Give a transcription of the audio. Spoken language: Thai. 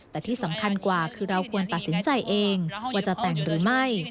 แต่ที่สำคัญกว่าคือเราควรตัดสินใจเองว่าจะแต่งหรือไม่